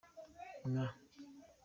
"mwa.